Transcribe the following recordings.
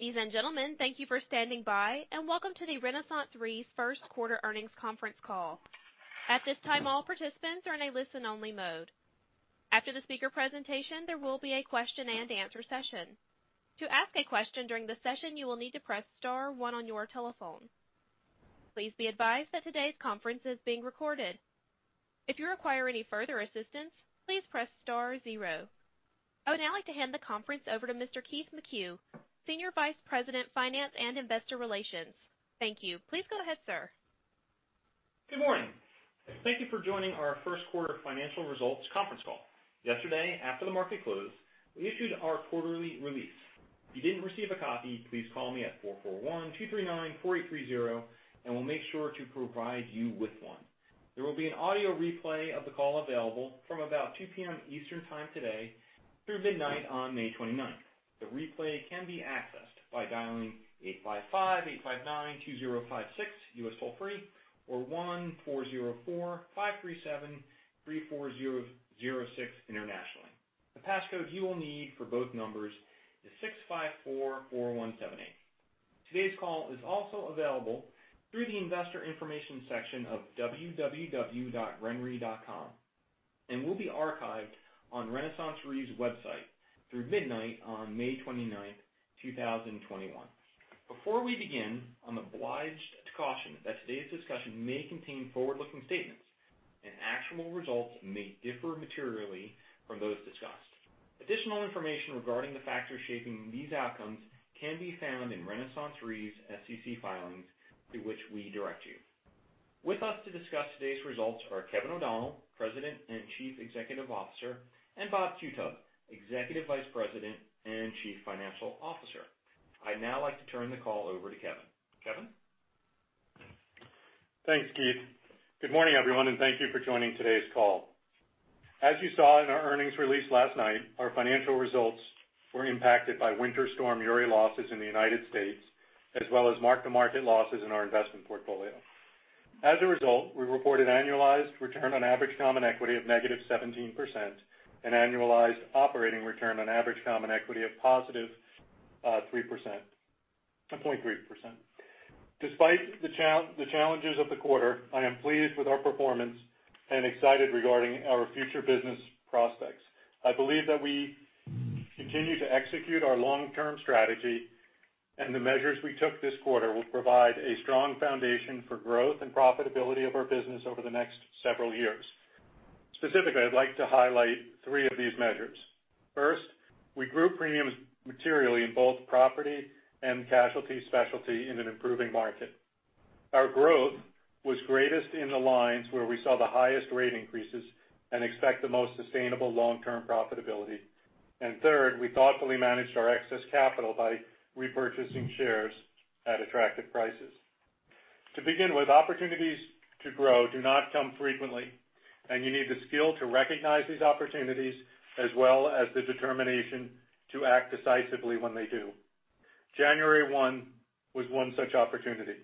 Ladies and gentlemen, thank you for standing by, and welcome to the RenaissanceRe Q1 earnings conference call. At this time, all participants are in a listen only mode. After the speaker presentation, there will be a question and answer session. To ask a question during the session, you will need to press star one on your telephone. Please be advised that today's conference is being recorded. If you require any further assistance, please press star zero. I would now like to hand the conference over to Mr. Keith McCue, Senior Vice President, Finance and Investor Relations. Thank you. Please go ahead, sir. Good morning. Thank you for joining our Q1 financial results conference call. Yesterday, after the market closed, we issued our quarterly release. If you didn't receive a copy, please call me at 441-239-4830, and we'll make sure to provide you with one. There will be an audio replay of the call available from about 2:00 P.M. Eastern Time today through midnight on May 29th. The replay can be accessed by dialing 855-859-2056 U.S. toll-free or 140453734006 internationally. The passcode you will need for both numbers is 6544178. Today's call is also available through the investor information section of www.renre.com and will be archived on RenaissanceRe's website through midnight on May 29th, 2021. Before we begin, I'm obliged to caution that today's discussion may contain forward-looking statements, and actual results may differ materially from those discussed. Additional information regarding the factors shaping these outcomes can be found in RenaissanceRe's SEC filings to which we direct you. With us to discuss today's results are Kevin O'Donnell, President and Chief Executive Officer, and Robert Qutub, Executive Vice President and Chief Financial Officer. I'd now like to turn the call over to Kevin. Kevin? Thanks, Keith. Good morning, everyone. Thank you for joining today's call. As you saw in our earnings release last night, our financial results were impacted by Winter Storm Uri losses in the U.S., as well as mark-to-market losses in our investment portfolio. As a result, we reported annualized return on average common equity of -17% and annualized operating return on average common equity of positive 3.3%. Despite the challenges of the quarter, I am pleased with our performance and excited regarding our future business prospects. I believe that we continue to execute our long-term strategy. The measures we took this quarter will provide a strong foundation for growth and profitability of our business over the next several years. Specifically, I'd like to highlight three of these measures. First, we grew premiums materially in both property and casualty specialty in an improving market. Our growth was greatest in the lines where we saw the highest rate increases and expect the most sustainable long-term profitability. Third, we thoughtfully managed our excess capital by repurchasing shares at attractive prices. To begin with, opportunities to grow do not come frequently, and you need the skill to recognize these opportunities as well as the determination to act decisively when they do. January one was one such opportunity.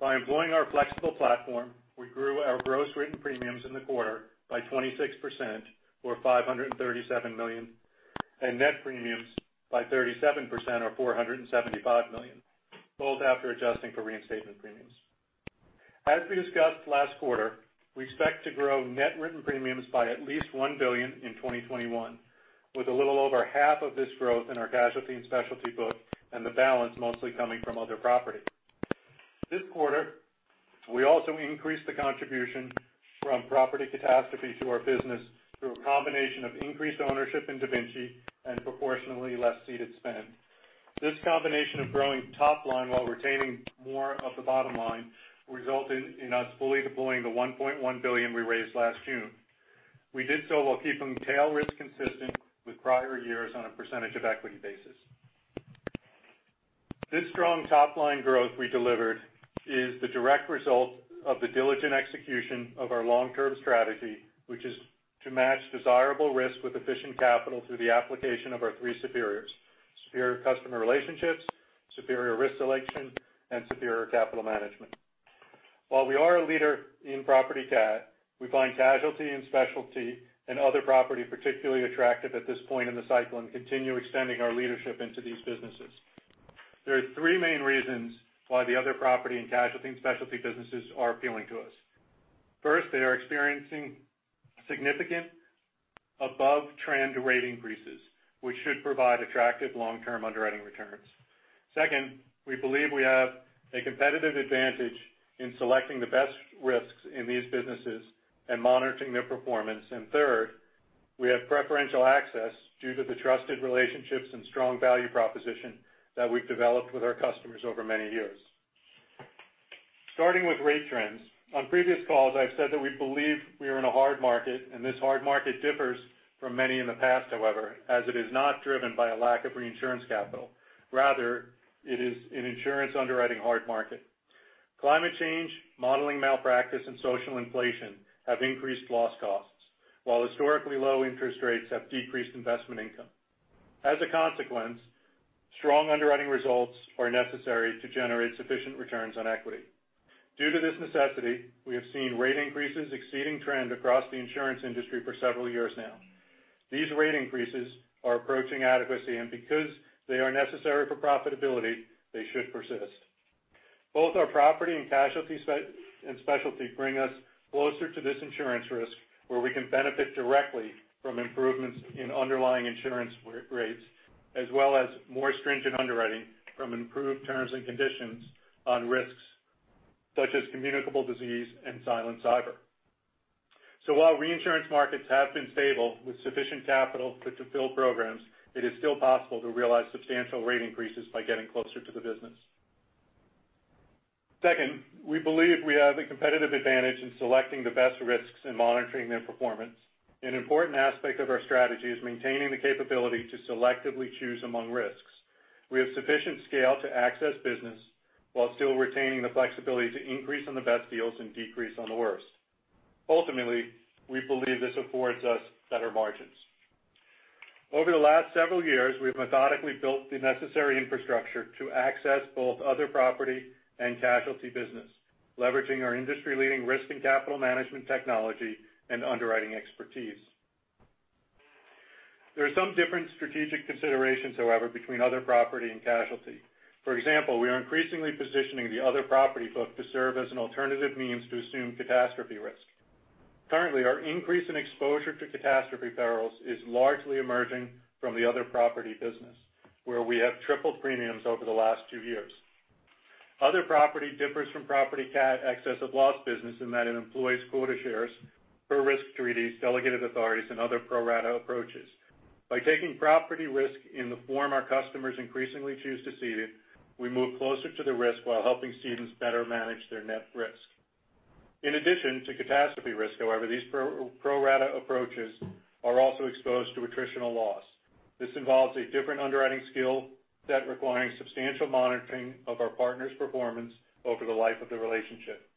By employing our flexible platform, we grew our gross written premiums in the quarter by 26%, or $537 million, and net premiums by 37%, or $475 million, both after adjusting for reinstatement premiums. As we discussed last quarter, we expect to grow net written premiums by at least $1 billion in 2021, with a little over half of this growth in our casualty and specialty book, and the balance mostly coming from other property. This quarter, we also increased the contribution from property catastrophe to our business through a combination of increased ownership in DaVinci and proportionally less ceded spend. This combination of growing top line while retaining more of the bottom line resulted in us fully deploying the $1.1 billion we raised last June. We did so while keeping tail risk consistent with prior years on a percentage of equity basis. This strong top-line growth we delivered is the direct result of the diligent execution of our long-term strategy, which is to match desirable risk with efficient capital through the application of our three superiors: superior customer relationships, superior risk selection, and superior capital management. While we are a leader in property cat, we find casualty and specialty and other property particularly attractive at this point in the cycle and continue extending our leadership into these businesses. There are three main reasons why the other property and casualty and specialty businesses are appealing to us. First, they are experiencing significant above-trend rate increases, which should provide attractive long-term underwriting returns. Second, we believe we have a competitive advantage in selecting the best risks in these businesses and monitoring their performance. Third, we have preferential access due to the trusted relationships and strong value proposition that we've developed with our customers over many years. Starting with rate trends, on previous calls I've said that we believe we are in a hard market. This hard market differs from many in the past, however, as it is not driven by a lack of reinsurance capital. Rather, it is an insurance underwriting hard market. Climate change, modeling malpractice, and social inflation have increased loss costs, while historically low interest rates have decreased investment income. As a consequence, strong underwriting results are necessary to generate sufficient returns on equity. Due to this necessity, we have seen rate increases exceeding trend across the insurance industry for several years now. These rate increases are approaching adequacy, because they are necessary for profitability, they should persist. Both our property and casualty and specialty bring us closer to this insurance risk where we can benefit directly from improvements in underlying insurance rates as well as more stringent underwriting from improved terms and conditions on risks such as communicable disease and silent cyber. While reinsurance markets have been stable with sufficient capital to fulfill programs, it is still possible to realize substantial rate increases by getting closer to the business. Second, we believe we have a competitive advantage in selecting the best risks and monitoring their performance. An important aspect of our strategy is maintaining the capability to selectively choose among risks. We have sufficient scale to access business while still retaining the flexibility to increase on the best deals and decrease on the worst. Ultimately, we believe this affords us better margins. Over the last several years, we've methodically built the necessary infrastructure to access both other property and casualty business, leveraging our industry-leading risk and capital management technology and underwriting expertise. There are some different strategic considerations, however, between other property and casualty. For example, we are increasingly positioning the other property book to serve as an alternative means to assume catastrophe risk. Currently, our increase in exposure to catastrophe perils is largely emerging from the other property business, where we have tripled premiums over the last two years. Other property differs from property cat excess of loss business in that it employs quota shares per risk treaties, delegated authorities, and other pro-rata approaches. By taking property risk in the form our customers increasingly choose to cede it, we move closer to the risk while helping cedents better manage their net risk. In addition to catastrophe risk, however, these pro-rata approaches are also exposed to attritional loss. This involves a different underwriting skill set requiring substantial monitoring of our partners' performance over the life of the relationship.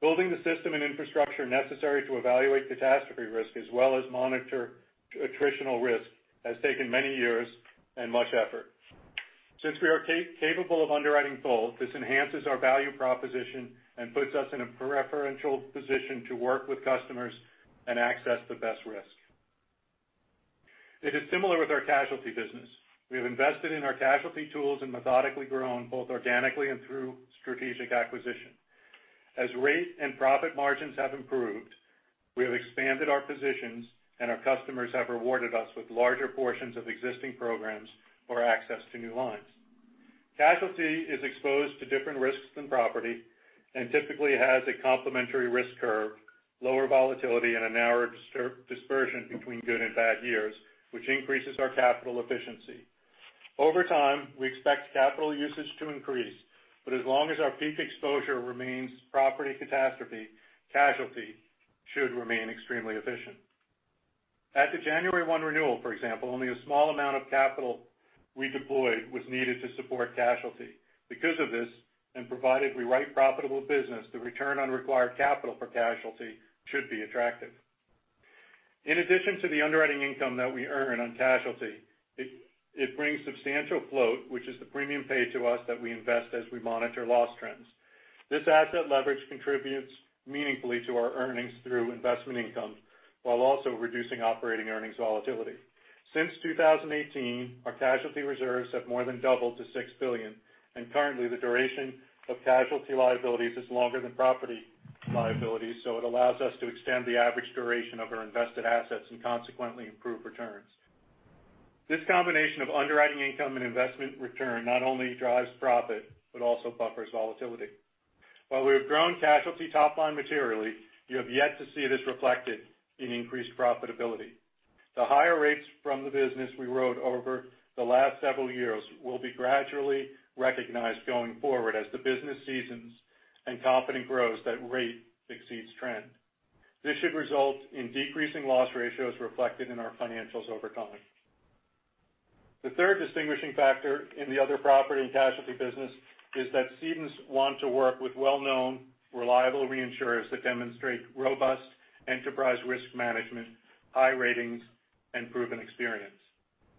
Building the system and infrastructure necessary to evaluate catastrophe risk as well as monitor attritional risk has taken many years and much effort. Since we are capable of underwriting both, this enhances our value proposition and puts us in a preferential position to work with customers and access the best risk. It is similar with our casualty business. We have invested in our casualty tools and methodically grown both organically and through strategic acquisition. As rate and profit margins have improved, we have expanded our positions, and our customers have rewarded us with larger portions of existing programs or access to new lines. Casualty is exposed to different risks than property and typically has a complementary risk curve, lower volatility, and a narrower dispersion between good and bad years, which increases our capital efficiency. Over time, we expect capital usage to increase, but as long as our peak exposure remains property catastrophe, casualty should remain extremely efficient. At the January one renewal, for example, only a small amount of capital we deployed was needed to support casualty. Because of this, and provided we write profitable business, the return on required capital for casualty should be attractive. In addition to the underwriting income that we earn on casualty, it brings substantial float, which is the premium paid to us that we invest as we monitor loss trends. This asset leverage contributes meaningfully to our earnings through investment income while also reducing operating earnings volatility. Since 2018, our casualty reserves have more than doubled to $6 billion, and currently, the duration of casualty liabilities is longer than property liabilities. It allows us to extend the average duration of our invested assets and consequently improve returns. This combination of underwriting income and investment return not only drives profit, but also buffers volatility. While we have grown casualty top line materially, you have yet to see this reflected in increased profitability. The higher rates from the business we wrote over the last several years will be gradually recognized going forward as the business seasons and competency grows that rate exceeds trend. This should result in decreasing loss ratios reflected in our financials over time. The third distinguishing factor in the other property and casualty business is that cedents want to work with well-known, reliable reinsurers that demonstrate robust enterprise risk management, high ratings, and proven experience.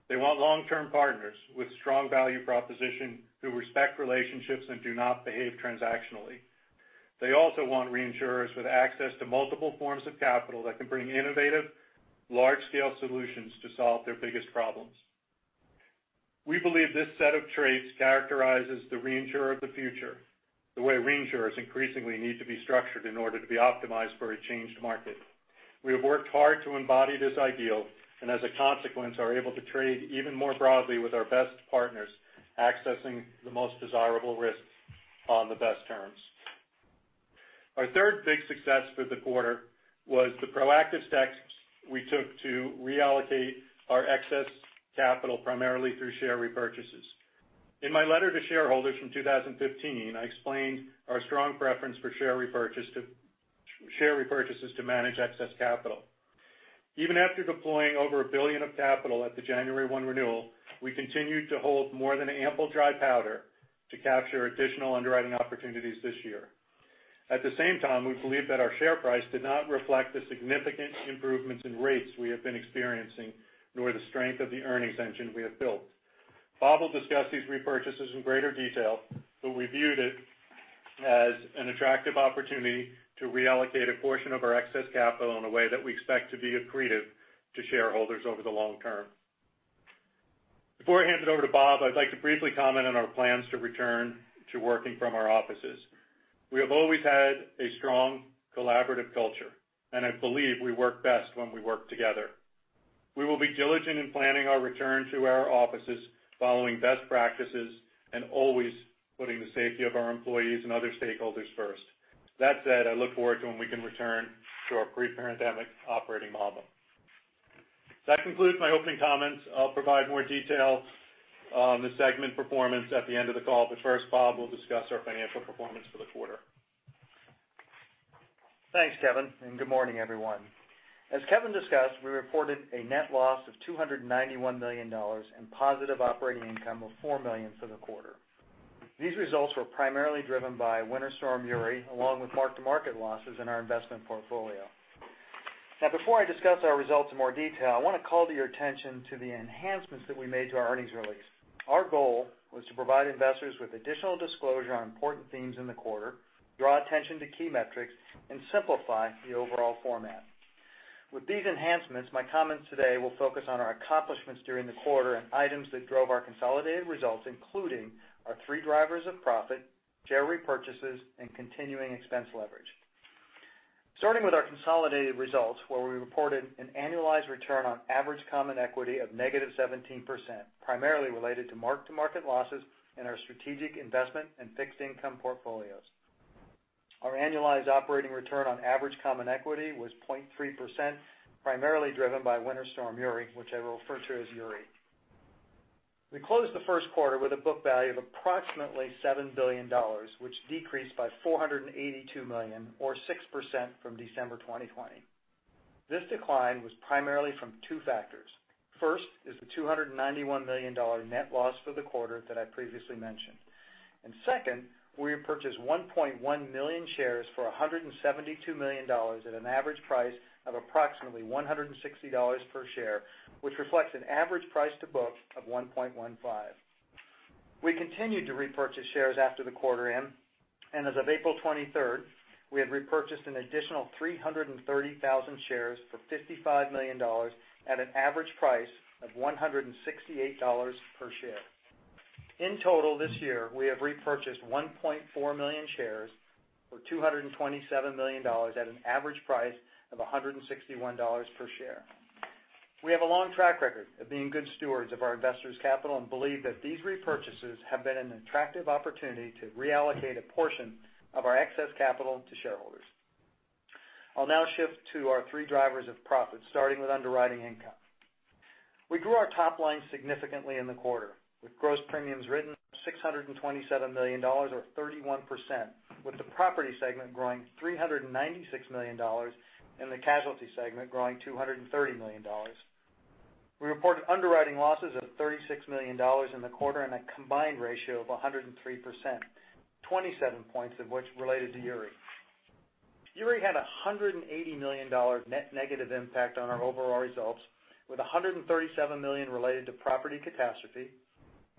They want long-term partners with strong value proposition who respect relationships and do not behave transactionally. They also want reinsurers with access to multiple forms of capital that can bring innovative, large-scale solutions to solve their biggest problems. We believe this set of traits characterizes the reinsurer of the future, the way reinsurers increasingly need to be structured in order to be optimized for a changed market. We have worked hard to embody this ideal, and as a consequence, are able to trade even more broadly with our best partners, accessing the most desirable risks on the best terms. Our third big success for the quarter was the proactive steps we took to reallocate our excess capital primarily through share repurchases. In my letter to shareholders from 2015, I explained our strong preference for share repurchases to manage excess capital. Even after deploying over $1 billion of capital at the January one renewal, we continued to hold more than ample dry powder to capture additional underwriting opportunities this year. At the same time, we believe that our share price did not reflect the significant improvements in rates we have been experiencing, nor the strength of the earnings engine we have built. Bob will discuss these repurchases in greater detail, but we viewed it as an attractive opportunity to reallocate a portion of our excess capital in a way that we expect to be accretive to shareholders over the long term. Before I hand it over to Bob, I'd like to briefly comment on our plans to return to working from our offices. We have always had a strong collaborative culture, and I believe we work best when we work together. We will be diligent in planning our return to our offices, following best practices, and always putting the safety of our employees and other stakeholders first. That said, I look forward to when we can return to our pre-pandemic operating model. That concludes my opening comments. I'll provide more detail on the segment performance at the end of the call, but first, Bob will discuss our financial performance for the quarter. Thanks, Kevin, and good morning, everyone. As Kevin discussed, we reported a net loss of $291 million and positive operating income of $4 million for the quarter. These results were primarily driven by Winter Storm Uri, along with mark-to-market losses in our investment portfolio. Now, before I discuss our results in more detail, I want to call to your attention to the enhancements that we made to our earnings release. Our goal was to provide investors with additional disclosure on important themes in the quarter, draw attention to key metrics, and simplify the overall format. With these enhancements, my comments today will focus on our accomplishments during the quarter and items that drove our consolidated results, including our three drivers of profit, share repurchases, and continuing expense leverage. Starting with our consolidated results, where we reported an annualized return on average common equity of -17%, primarily related to mark-to-market losses in our Strategic Investment and fixed income portfolios. Our annualized operating return on average common equity was 0.3%, primarily driven by Winter Storm Uri, which I will refer to as Uri. We closed the Q1 with a book value of approximately $7 billion, which decreased by $482 million or six percent from December 2020. This decline was primarily from two factors. First is the $291 million net loss for the quarter that I previously mentioned. Second, we repurchased 1.1 million shares for $172 million at an average price of approximately $160 per share, which reflects an average price to book of 1.15. We continued to repurchase shares after the quarter end, and as of April 23rd, we had repurchased an additional 330,000 shares for $55 million at an average price of $168 per share. In total, this year, we have repurchased 1.4 million shares for $227 million at an average price of $161 per share. We have a long track record of being good stewards of our investors' capital and believe that these repurchases have been an attractive opportunity to reallocate a portion of our excess capital to shareholders. I'll now shift to our three drivers of profit, starting with underwriting income. We grew our top line significantly in the quarter with gross premiums written $627 million or 31%, with the property segment growing $396 million and the casualty segment growing $230 million. We reported underwriting losses of $36 million in the quarter and a combined ratio of 103%, 27 points of which related to Uri. Uri had $180 million net negative impact on our overall results, with $137 million related to property catastrophe,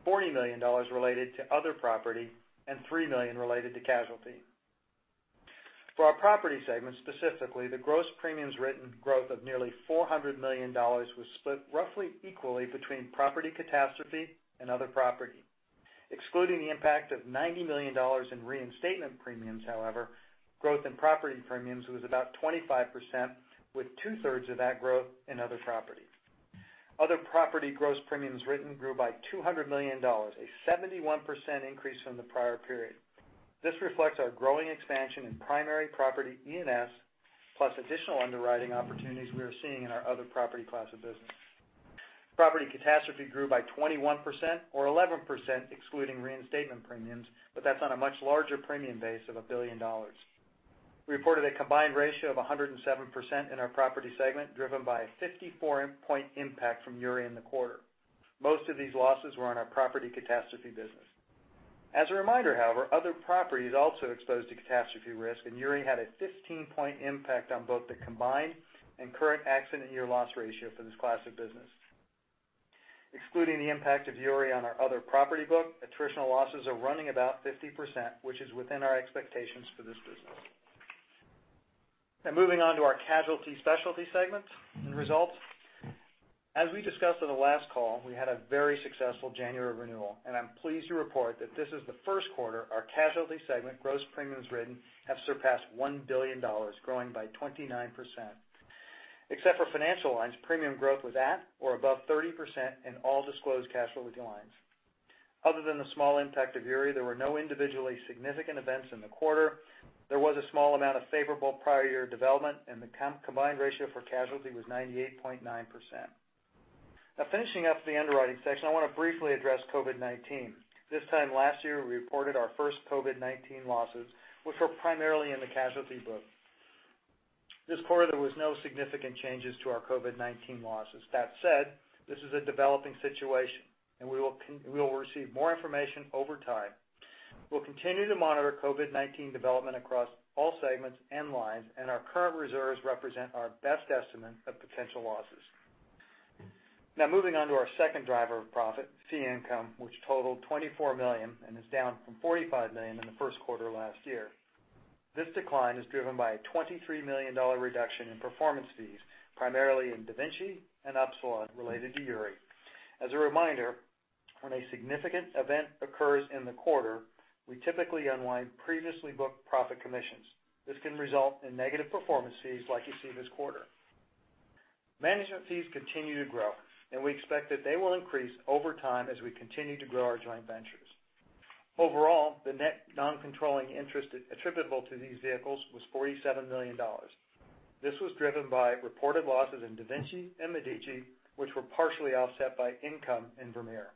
$40 million related to other property, and $3 million related to casualty. For our property segment, specifically, the gross premiums written growth of nearly $400 million was split roughly equally between property catastrophe and other property. Excluding the impact of $90 million in reinstatement premiums, however, growth in property premiums was about 25%, with two-thirds of that growth in other property. Other property gross premiums written grew by $200 million, a 71% increase from the prior period. This reflects our growing expansion in primary property E&S, plus additional underwriting opportunities we are seeing in our other property class of business. Property catastrophe grew by 21% or 11% excluding reinstatement premiums, but that's on a much larger premium base of $1 billion. We reported a combined ratio of 107% in our property segment, driven by a 54-point impact from Uri in the quarter. Most of these losses were on our property catastrophe business. As a reminder, however, other property is also exposed to catastrophe risk, and Uri had a 15-point impact on both the combined and current accident year loss ratio for this class of business. Excluding the impact of Uri on our other property book, attritional losses are running about 50%, which is within our expectations for this business. Now, moving on to our casualty specialty segment and results. As we discussed on the last call, we had a very successful January renewal, and I'm pleased to report that this is the Q1 our casualty segment gross premiums written have surpassed $1 billion, growing by 29%. Except for financial lines, premium growth was at or above 30% in all disclosed casualty lines. Other than the small impact of Uri, there were no individually significant events in the quarter. There was a small amount of favorable prior year development, and the combined ratio for casualty was 98.9%. Now finishing up the underwriting section, I want to briefly address COVID-19. This time last year, we reported our first COVID-19 losses, which were primarily in the casualty book. This quarter, there was no significant changes to our COVID-19 losses. That said, this is a developing situation, and we will receive more information over time. We'll continue to monitor COVID-19 development across all segments and lines, and our current reserves represent our best estimate of potential losses. Now moving on to our second driver of profit, fee income, which totaled $24 million and is down from $45 million in the Q1 last year. This decline is driven by a $23 million reduction in performance fees, primarily in DaVinci and Upsilon related to Uri. As a reminder, when a significant event occurs in the quarter, we typically unwind previously booked profit commissions. This can result in negative performance fees like you see this quarter. Management fees continue to grow, and we expect that they will increase over time as we continue to grow our joint ventures. Overall, the net non-controlling interest attributable to these vehicles was $47 million. This was driven by reported losses in DaVinci and Medici, which were partially offset by income in Vermeer.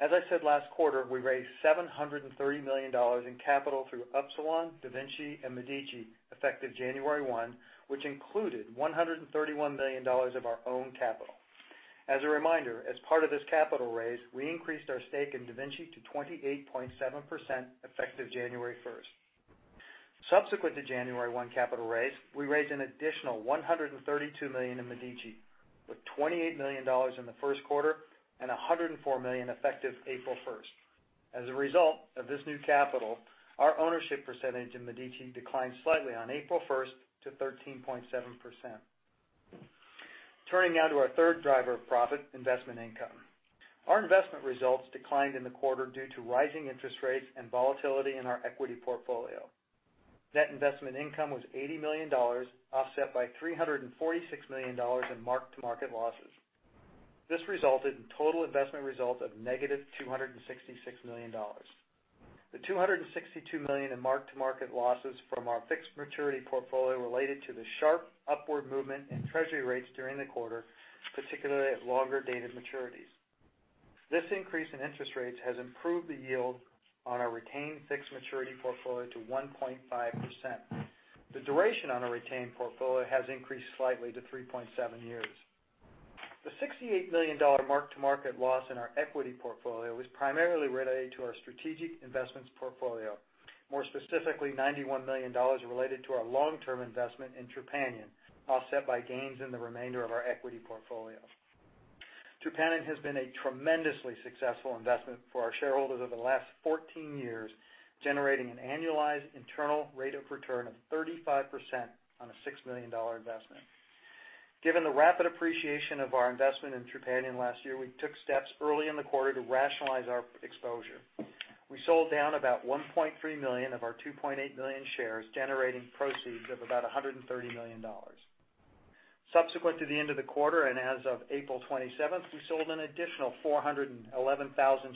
As I said last quarter, we raised $730 million in capital through Upsilon, DaVinci and Medici effective January one, which included $131 million of our own capital. As a reminder, as part of this capital raise, we increased our stake in DaVinci to 28.7% effective January 1st. Subsequent to January one capital raise, we raised an additional $132 million in Medici, with $28 million in the Q1 and $104 million effective April 1st. As a result of this new capital, our ownership percentage in Medici declined slightly on April 1st to 13.7%. Turning now to our third driver of profit, investment income. Our investment results declined in the quarter due to rising interest rates and volatility in our equity portfolio. Net investment income was $80 million, offset by $346 million in mark-to-market losses. This resulted in total investment results of negative $266 million. The $262 million in mark-to-market losses from our fixed maturity portfolio related to the sharp upward movement in Treasury rates during the quarter, particularly at longer dated maturities. This increase in interest rates has improved the yield on our retained fixed maturity portfolio to 1.5%. The duration on our retained portfolio has increased slightly to 3.7 years. The $68 million mark-to-market loss in our equity portfolio was primarily related to our strategic investments portfolio, more specifically, $91 million related to our long-term investment in Trupanion, offset by gains in the remainder of our equity portfolio. Trupanion has been a tremendously successful investment for our shareholders over the last 14 years, generating an annualized internal rate of return of 35% on a $6 million investment. Given the rapid appreciation of our investment in Trepanier last year, we took steps early in the quarter to rationalize our exposure. We sold down about 1.3 million of our 2.8 million shares, generating proceeds of about $130 million. Subsequent to the end of the quarter, and as of April 27th, we sold an additional 411,000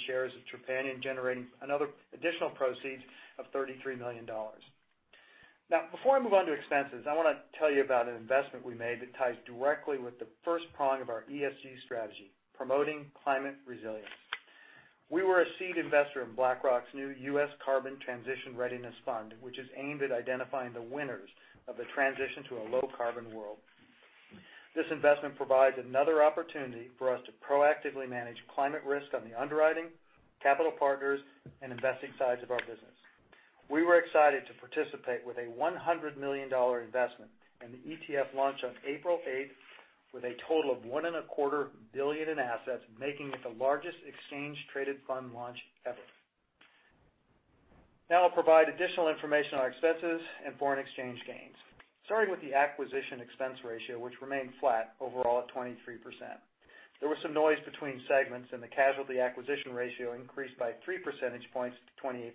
shares of Trepanier, generating another additional proceeds of $33 million. Now, before I move on to expenses, I want to tell you about an investment we made that ties directly with the first prong of our ESG strategy, promoting climate resilience. We were a seed investor in BlackRock's new U.S. Carbon Transition Readiness Fund, which is aimed at identifying the winners of the transition to a low carbon world. This investment provides another opportunity for us to proactively manage climate risk on the underwriting, capital partners, and investing sides of our business. We were excited to participate with a $100 million investment, and the ETF launched on April 8th with a total of $1.25 billion in assets, making it the largest exchange traded fund launch ever. Now I'll provide additional information on our expenses and foreign exchange gains. Starting with the acquisition expense ratio, which remained flat overall at 23%. There was some noise between segments, and the casualty acquisition ratio increased by three percentage points to 28%.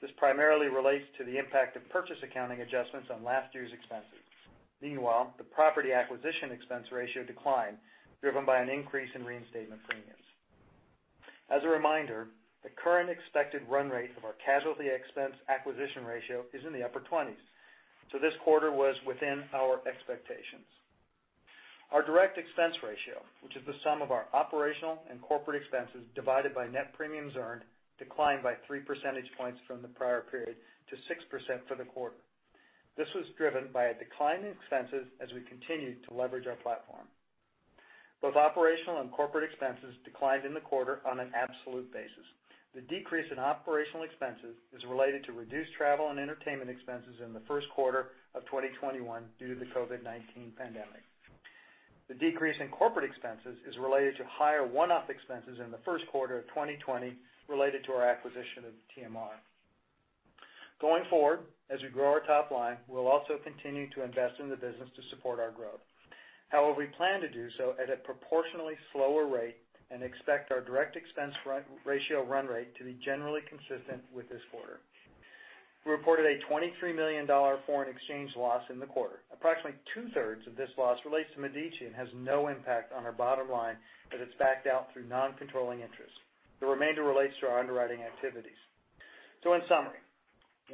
This primarily relates to the impact of purchase accounting adjustments on last year's expenses. Meanwhile, the property acquisition expense ratio declined, driven by an increase in reinstatement premiums. As a reminder, the current expected run rate of our casualty expense acquisition ratio is in the upper 20s. This quarter was within our expectations. Our direct expense ratio, which is the sum of our operational and corporate expenses divided by net premiums earned, declined by three percentage points from the prior period to six percent for the quarter. This was driven by a decline in expenses as we continued to leverage our platform. Both operational and corporate expenses declined in the quarter on an absolute basis. The decrease in operational expenses is related to reduced travel and entertainment expenses in the Q1 of 2021 due to the COVID-19 pandemic. The decrease in corporate expenses is related to higher one-off expenses in the Q1 of 2020 related to our acquisition of TMR. Going forward, as we grow our top line, we'll also continue to invest in the business to support our growth. However, we plan to do so at a proportionally slower rate and expect our direct expense ratio run rate to be generally consistent with this quarter. We reported a $23 million foreign exchange loss in the quarter. Approximately two-thirds of this loss relates to Medici and has no impact on our bottom line as it's backed out through non-controlling interests. The remainder relates to our underwriting activities. In summary,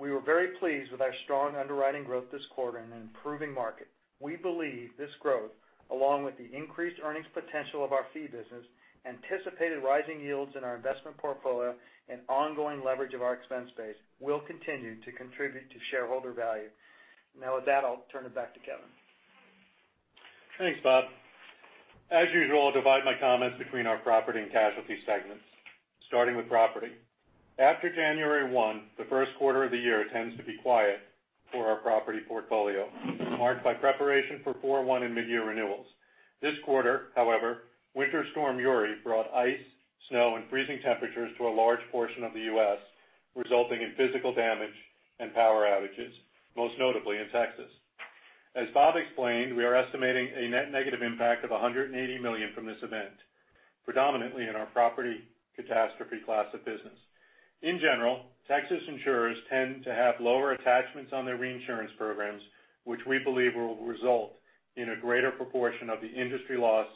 we were very pleased with our strong underwriting growth this quarter in an improving market. We believe this growth, along with the increased earnings potential of our fee business, anticipated rising yields in our investment portfolio, and ongoing leverage of our expense base, will continue to contribute to shareholder value. Now, with that, I'll turn it back to Kevin. Thanks, Bob. As usual, I'll divide my comments between our property and casualty segments. Starting with property. After January one, the Q1 of the year tends to be quiet for our property portfolio, marked by preparation for four one and mid-year renewals. This quarter, however, Winter Storm Uri brought ice, snow, and freezing temperatures to a large portion of the U.S., resulting in physical damage and power outages, most notably in Texas. As Bob explained, we are estimating a net negative impact of $180 million from this event, predominantly in our property catastrophe class of business. In general, Texas insurers tend to have lower attachments on their reinsurance programs, which we believe will result in a greater proportion of the industry loss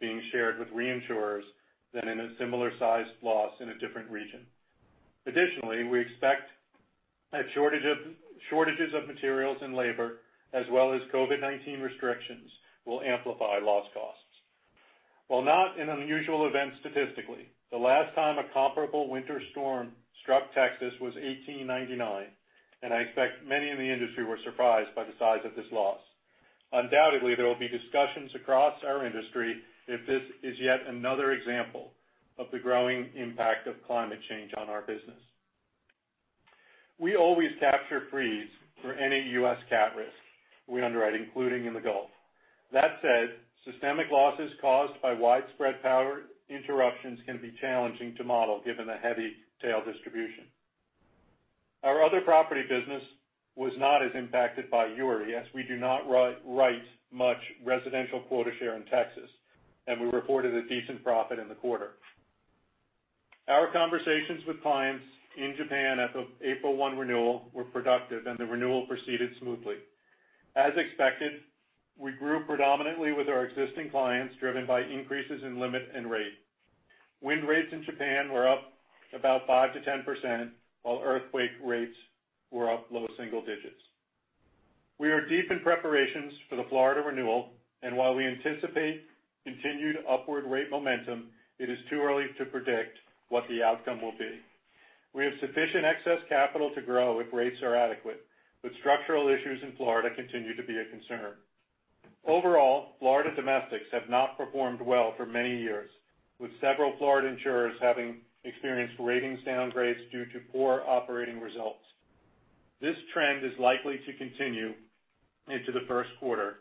being shared with reinsurers than in a similar sized loss in a different region. Additionally, we expect that shortages of materials and labor, as well as COVID-19 restrictions, will amplify loss costs. While not an unusual event statistically, the last time a comparable winter storm struck Texas was 1899, and I expect many in the industry were surprised by the size of this loss. Undoubtedly, there will be discussions across our industry if this is yet another example of the growing impact of climate change on our business. We always capture freeze for any U.S. cat risk we underwrite, including in the Gulf. That said, systemic losses caused by widespread power interruptions can be challenging to model given the heavy tail distribution. Our other property business was not as impacted by Uri as we do not write much residential quota share in Texas, and we reported a decent profit in the quarter. Our conversations with clients in Japan at the April one renewal were productive, and the renewal proceeded smoothly. As expected, we grew predominantly with our existing clients, driven by increases in limit and rate. Wind rates in Japan were up about 5%-10%, while earthquake rates were up low single digits. We are deep in preparations for the Florida renewal, and while we anticipate continued upward rate momentum, it is too early to predict what the outcome will be. We have sufficient excess capital to grow if rates are adequate, but structural issues in Florida continue to be a concern. Overall, Florida domestics have not performed well for many years, with several Florida insurers having experienced ratings downgrades due to poor operating results. This trend is likely to continue into the Q1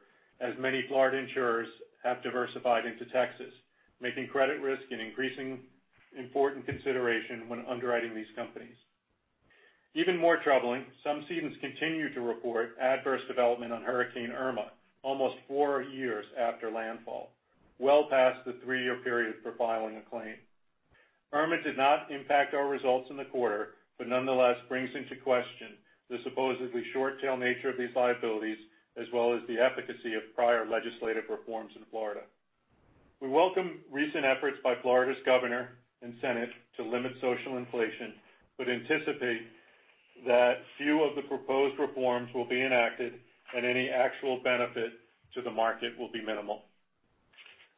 as many Florida insurers have diversified into Texas, making credit risk an increasingly important consideration when underwriting these companies. Even more troubling, some cedents continue to report adverse development on Hurricane Irma almost four years after landfall, well past the three-year period for filing a claim. Irma did not impact our results in the quarter, but nonetheless brings into question the supposedly short-tail nature of these liabilities, as well as the efficacy of prior legislative reforms in Florida. We welcome recent efforts by Florida's governor and Senate to limit social inflation but anticipate that few of the proposed reforms will be enacted and any actual benefit to the market will be minimal.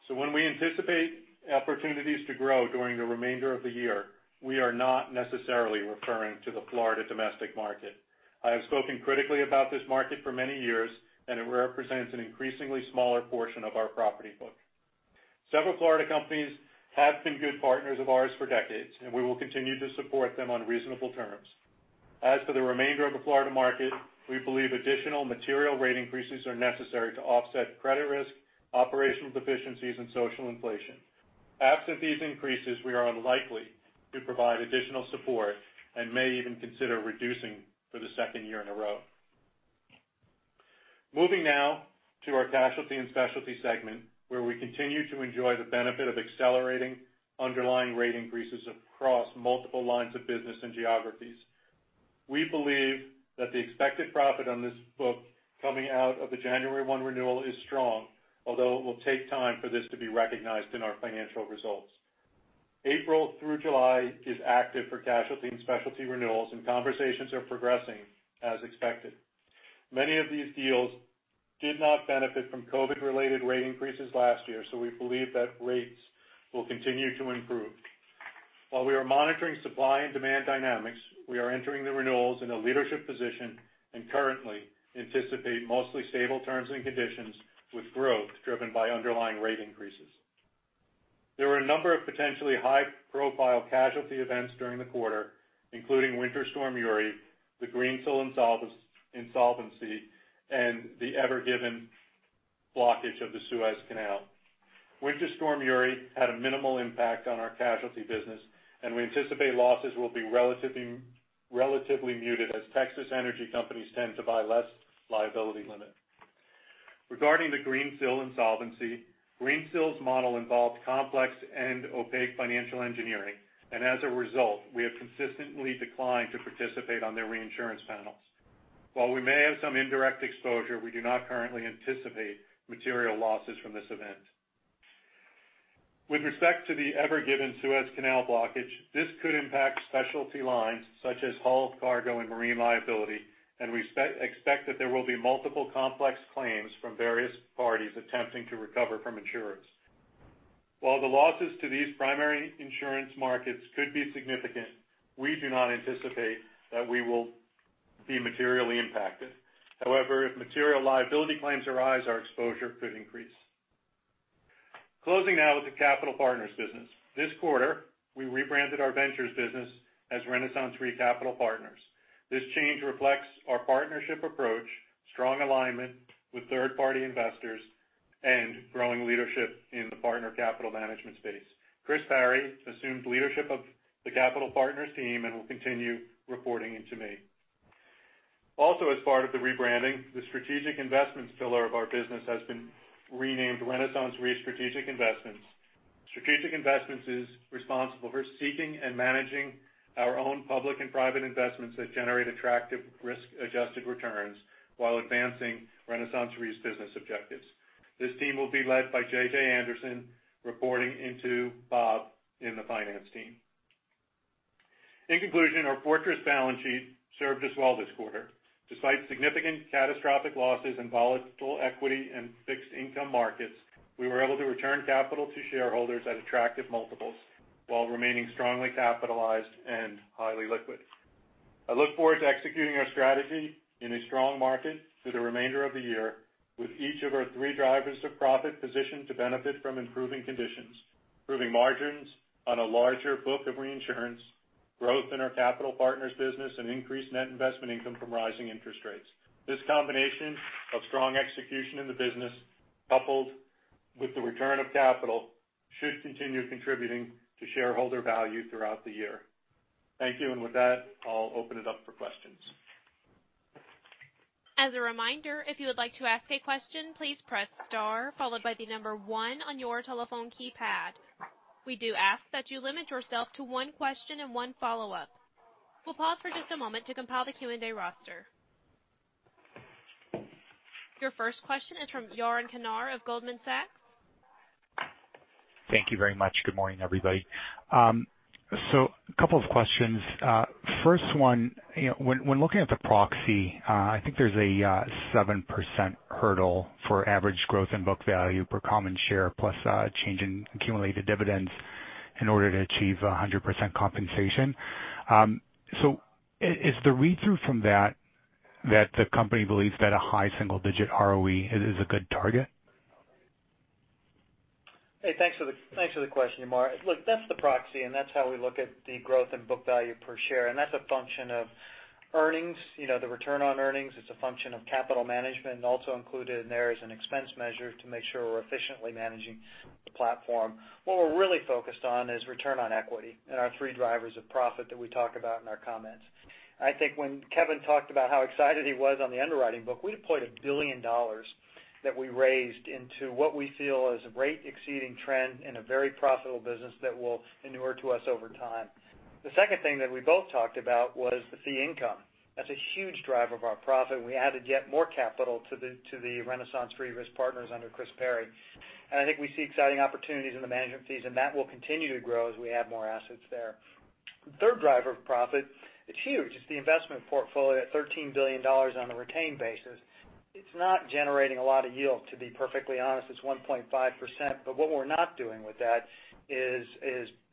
When we anticipate opportunities to grow during the remainder of the year, we are not necessarily referring to the Florida domestic market. I have spoken critically about this market for many years, and it represents an increasingly smaller portion of our property book. Several Florida companies have been good partners of ours for decades, and we will continue to support them on reasonable terms. As for the remainder of the Florida market, we believe additional material rate increases are necessary to offset credit risk, operational deficiencies and social inflation. Absent these increases, we are unlikely to provide additional support and may even consider reducing for the second year in a row. Moving now to our casualty and specialty segment, where we continue to enjoy the benefit of accelerating underlying rate increases across multiple lines of business and geographies. We believe that the expected profit on this book coming out of the January one renewal is strong, although it will take time for this to be recognized in our financial results. April through July is active for casualty and specialty renewals, and conversations are progressing as expected. Many of these deals did not benefit from COVID-19-related rate increases last year, so we believe that rates will continue to improve. While we are monitoring supply and demand dynamics, we are entering the renewals in a leadership position and currently anticipate mostly stable terms and conditions with growth driven by underlying rate increases. There were a number of potentially high-profile casualty events during the quarter, including Winter Storm Uri, the Greensill insolvency, and the Ever Given blockage of the Suez Canal. Winter Storm Uri had a minimal impact on our casualty business, and we anticipate losses will be relatively muted as Texas energy companies tend to buy less liability limit. Regarding the Greensill insolvency, Greensill's model involved complex and opaque financial engineering, and as a result, we have consistently declined to participate on their reinsurance panels. While we may have some indirect exposure, we do not currently anticipate material losses from this event. With respect to the Ever Given Suez Canal blockage, this could impact specialty lines such as hull, cargo, and marine liability, and we expect that there will be multiple complex claims from various parties attempting to recover from insurers. While the losses to these primary insurance markets could be significant, we do not anticipate that we will be materially impacted. However, if material liability claims arise, our exposure could increase. Closing now with the Capital Partners business. This quarter, we rebranded our ventures business as RenaissanceRe Capital Partners. This change reflects our partnership approach, strong alignment with third-party investors, and growing leadership in the partner capital management space. Chris Parry assumed leadership of the Capital Partners team and will continue reporting in to me. Also, as part of the rebranding, the strategic investments pillar of our business has been renamed RenaissanceRe Strategic Investments. Strategic Investments is responsible for seeking and managing our own public and private investments that generate attractive risk-adjusted returns while advancing RenaissanceRe's business objectives. This team will be led by Jonathan Anderson, reporting into Robert Qutub in the finance team. In conclusion, our fortress balance sheet served us well this quarter. Despite significant catastrophic losses and volatile equity and fixed income markets, we were able to return capital to shareholders at attractive multiples while remaining strongly capitalized and highly liquid. I look forward to executing our strategy in a strong market through the remainder of the year with each of our three drivers of profit positioned to benefit from improving conditions, improving margins on a larger book of reinsurance, growth in our Capital Partners business, and increased net investment income from rising interest rates. This combination of strong execution in the business, coupled with the return of capital, should continue contributing to shareholder value throughout the year. Thank you, and with that, I'll open it up for questions. As a reminder, if you would like to ask a question, please press star followed by the number one on your telephone keypad. We do ask that you limit yourself to one question and one follow-up. We'll pause for just a moment to compile the Q&A roster. Your first question is from Yaron Kinar of Goldman Sachs. Thank you very much. Good morning, everybody. A couple of questions. First one, when looking at the proxy, I think there's a seven percent hurdle for average growth in book value per common share, plus change in accumulated dividends in order to achieve 100% compensation. Is the read-through from that the company believes that a high single-digit ROE is a good target? Hey, thanks for the question, Yaron. Look, that's the proxy, and that's how we look at the growth in book value per share. That's a function of earnings. The return on earnings is a function of capital management, and also included in there is an expense measure to make sure we're efficiently managing the platform. What we're really focused on is return on equity and our three drivers of profit that we talk about in our comments. I think when Kevin talked about how excited he was on the underwriting book, we deployed $1 billion that we raised into what we feel is a rate exceeding trend in a very profitable business that will inure to us over time. The second thing that we both talked about was the fee income. That's a huge driver of our profit, and we added yet more capital to the RenaissanceRe Risk Partners under Chris Parry. I think we see exciting opportunities in the management fees, and that will continue to grow as we add more assets there. The third driver of profit, it's huge. It's the investment portfolio at $13 billion on a retained basis. It's not generating a lot of yield, to be perfectly honest. It's 1.5%, but what we're not doing with that is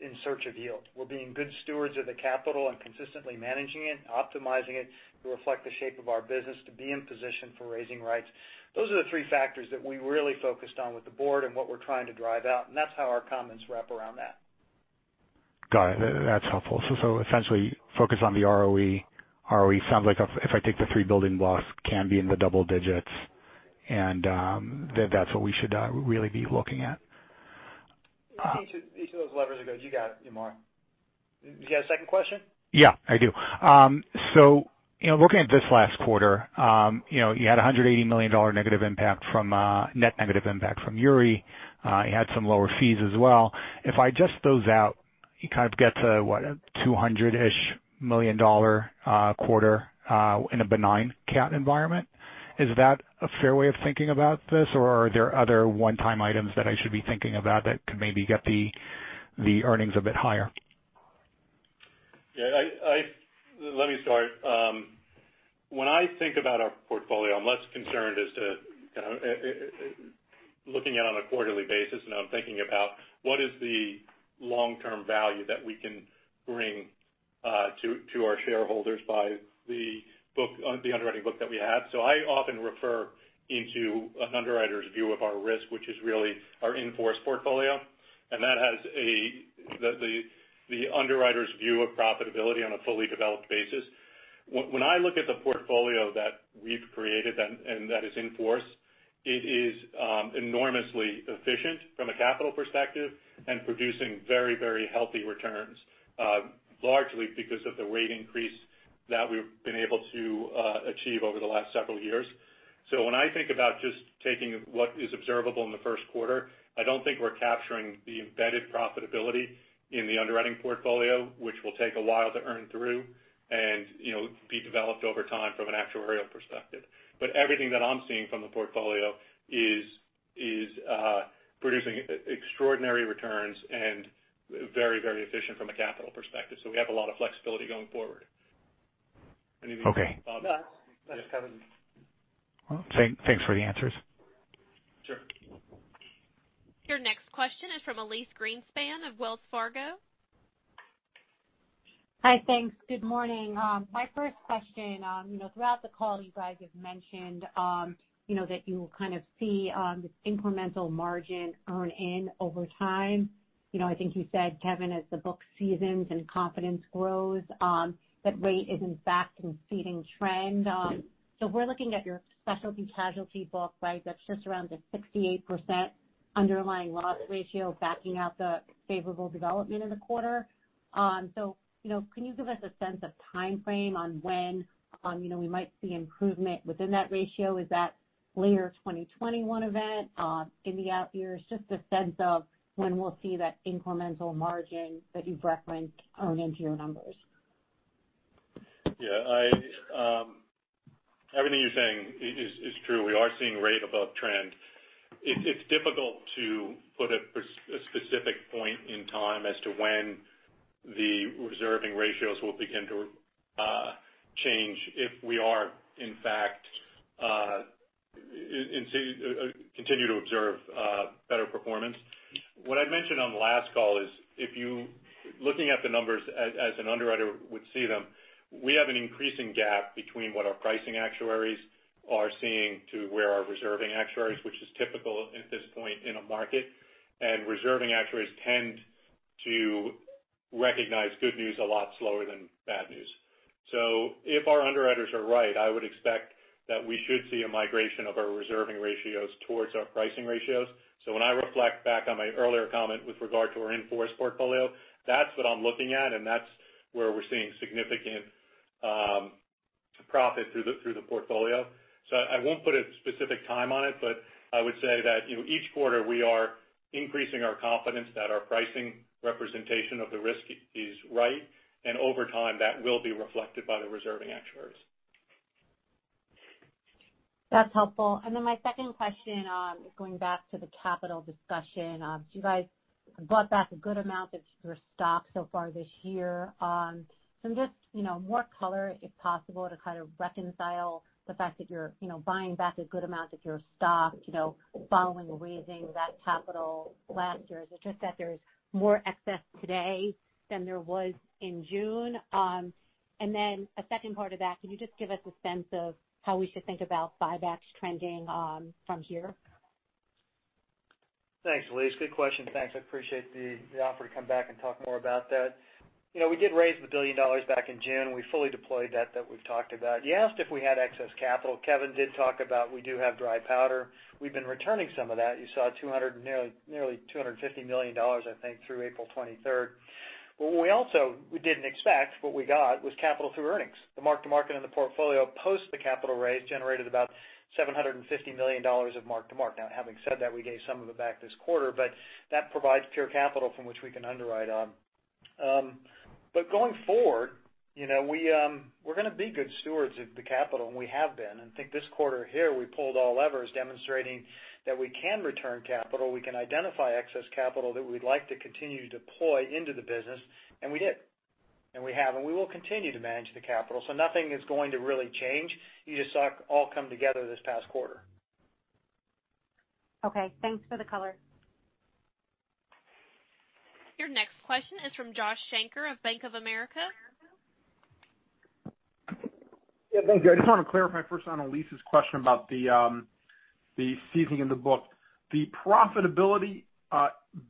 in search of yield. We're being good stewards of the capital and consistently managing it, optimizing it to reflect the shape of our business to be in position for raising rates. Those are the three factors that we really focused on with the board and what we're trying to drive out, and that's how our comments wrap around that. Got it. That's helpful. Essentially, focus on the ROE. ROE sounds like if I take the three building blocks can be in the double digits, and that's what we should really be looking at. Each of those levers are good. You got it, Yaron. You got a second question? Yeah, I do. Looking at this last quarter, you had $180 million net negative impact from Uri. You had some lower fees as well. If I adjust those out, you kind of get to, what? A 200-ish million dollar quarter in a benign cat environment. Is that a fair way of thinking about this, or are there other one-time items that I should be thinking about that could maybe get the earnings a bit higher? Yeah. Let me start. When I think about our portfolio, I'm less concerned as to looking at it on a quarterly basis, and I'm thinking about what is the long-term value that we can bring to our shareholders by the underwriting book that we have. I often refer into an underwriter's view of our risk, which is really our in-force portfolio, and that has the underwriter's view of profitability on a fully developed basis. When I look at the portfolio that we've created and that is in force, it is enormously efficient from a capital perspective and producing very healthy returns largely because of the rate increase that we've been able to achieve over the last several years. When I think about just taking what is observable in the Q1, I don't think we're capturing the embedded profitability in the underwriting portfolio, which will take a while to earn through and be developed over time from an actuarial perspective. Everything that I'm seeing from the portfolio is producing extraordinary returns and very efficient from a capital perspective. We have a lot of flexibility going forward. Okay. No, that's Kevin. Well, thanks for the answers. Sure. Your next question is from Elyse Greenspan of Wells Fargo. Hi. Thanks. Good morning. My first question, throughout the call, you guys have mentioned that you will kind of see this incremental margin earn in over time. I think you said, Kevin, as the book seasons and confidence grows, that rate is, in fact, in seeding trend. We're looking at your specialty casualty book, right? That's just around a 68% underlying loss ratio backing out the favorable development in the quarter. Can you give us a sense of timeframe on when we might see improvement within that ratio? Is that later 2021 event, in the out years? Just a sense of when we'll see that incremental margin that you've referenced earn into your numbers. Yeah. Everything you're saying is true. We are seeing rate above trend. It's difficult to put a specific point in time as to when the reserving ratios will begin to change if we are, in fact, continue to observe better performance. What I mentioned on the last call is, looking at the numbers as an underwriter would see them, we have an increasing gap between what our pricing actuaries are seeing to where our reserving actuaries, which is typical at this point in a market, and reserving actuaries tend to recognize good news a lot slower than bad news. If our underwriters are right, I would expect that we should see a migration of our reserving ratios towards our pricing ratios. when I reflect back on my earlier comment with regard to our in-force portfolio, that's what I'm looking at, and that's where we're seeing significant profit through the portfolio. I won't put a specific time on it, but I would say that each quarter we are increasing our confidence that our pricing representation of the risk is right, and over time, that will be reflected by the reserving actuaries. That's helpful. My second question, going back to the capital discussion. You guys bought back a good amount of your stock so far this year. Just more color, if possible, to kind of reconcile the fact that you're buying back a good amount of your stock following the raising that capital last year. Is it just that there's more excess today than there was in June? A second part of that, could you just give us a sense of how we should think about buybacks trending from here? Thanks, Elyse. Good question. Thanks. I appreciate the offer to come back and talk more about that. We did raise the $1 billion back in June. We fully deployed that we've talked about. You asked if we had excess capital. Kevin did talk about we do have dry powder. We've been returning some of that. You saw nearly $250 million, I think, through April 23rd. We also didn't expect what we got, was capital through earnings. The mark to market in the portfolio post the capital raise generated about $750 million of mark to market. Now, having said that, we gave some of it back this quarter, but that provides pure capital from which we can underwrite on. Going forward, we're going to be good stewards of the capital, and we have been. I think this quarter here, we pulled all levers demonstrating that we can return capital, we can identify excess capital that we'd like to continue to deploy into the business, and we did. We have, and we will continue to manage the capital. Nothing is going to really change. You just saw it all come together this past quarter. Okay, thanks for the color. Your next question is from Joshua Shanker of Bank of America. Yeah, thank you. I just want to clarify first on Elyse's question about the seasoning in the book. The profitability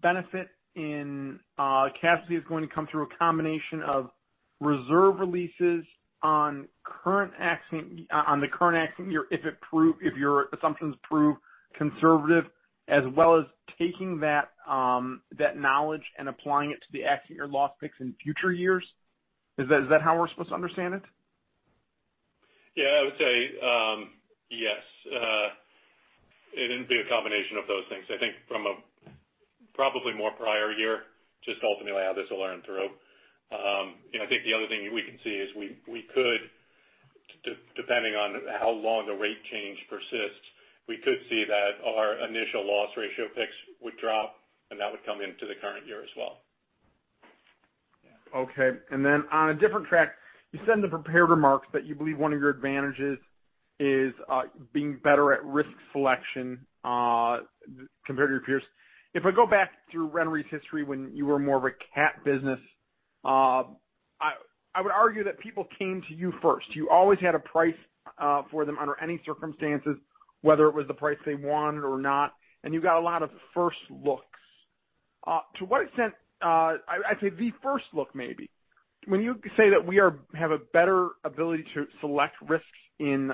benefit in casualty is going to come through a combination of reserve releases on the current accident year if your assumptions prove conservative, as well as taking that knowledge and applying it to the accident year loss picks in future years. Is that how we're supposed to understand it? Yeah, I would say yes. It is going to be a combination of those things. I think from a probably more prior year, just ultimately how this will earn through. I think the other thing we can see is we could, depending on how long the rate change persists, we could see that our initial loss ratio picks would drop, and that would come into the current year as well. Okay. On a different track, you said in the prepared remarks that you believe one of your advantages is being better at risk selection compared to your peers. If I go back through RenaissanceRe's history when you were more of a cat business, I would argue that people came to you first. You always had a price for them under any circumstances, whether it was the price they wanted or not, and you got a lot of first looks. To what extent, I'd say the first look, maybe. When you say that we have a better ability to select risks in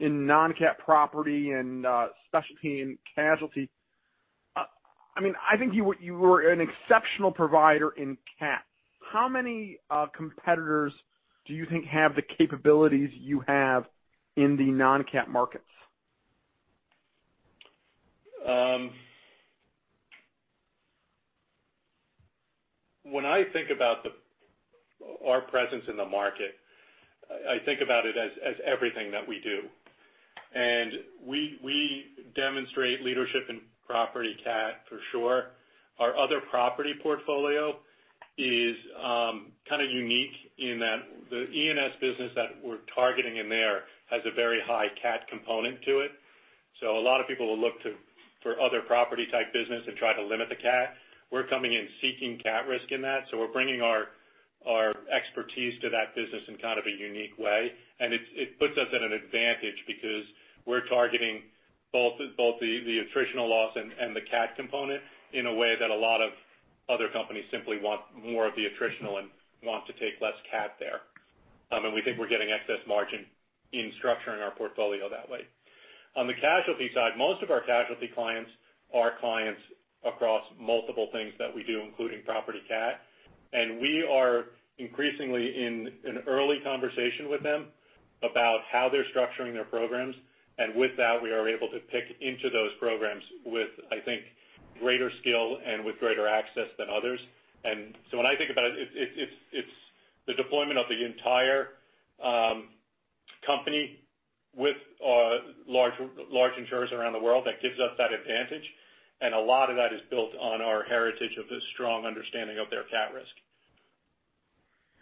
non-cat property and specialty and casualty, I think you were an exceptional provider in cat. How many competitors do you think have the capabilities you have in the non-cat markets? When I think about our presence in the market, I think about it as everything that we do. We demonstrate leadership in property CAT for sure. Our other property portfolio is kind of unique in that the E&S business that we're targeting in there has a very high CAT component to it. A lot of people will look for other property type business and try to limit the CAT. We're coming in seeking CAT risk in that. We're bringing our expertise to that business in kind of a unique way, and it puts us at an advantage because we're targeting both the attritional loss and the CAT component in a way that a lot of other companies simply want more of the attritional and want to take less CAT there. We think we're getting excess margin in structuring our portfolio that way. On the casualty side, most of our casualty clients are clients across multiple things that we do, including property CAT, and we are increasingly in an early conversation with them about how they're structuring their programs. With that, we are able to pick into those programs with, I think, greater skill and with greater access than others. When I think about it's the deployment of the entire company with large insurers around the world that gives us that advantage. A lot of that is built on our heritage of the strong understanding of their CAT risk.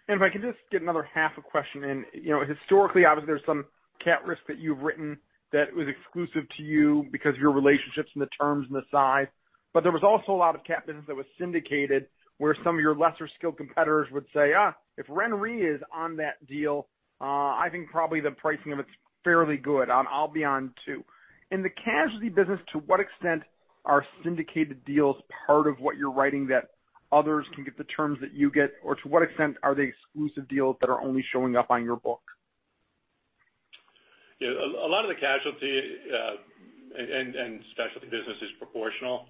If I could just get another half a question in. Historically, obviously, there's some CAT risk that you've written that was exclusive to you because your relationships and the terms and the size, but there was also a lot of CAT business that was syndicated where some of your lesser skilled competitors would say, "Ah, if RenaissanceRe is on that deal, I think probably the pricing of it's fairly good. I'll be on too." In the casualty business, to what extent are syndicated deals part of what you're writing that others can get the terms that you get? Or to what extent are they exclusive deals that are only showing up on your book? Yeah. A lot of the casualty and specialty business is proportional.